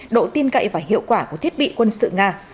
độ tin cậy và hiệu quả của thiết bị quân sự nga